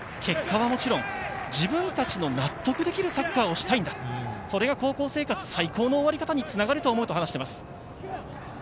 今大会、結果はもちろん自分たちの納得できるサッカーをしたいんだ、それが高校生活最高の終わり方につながると思うと話していました。